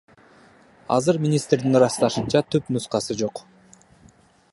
Азыр министрдин ырасташынча, түп нускасы жок.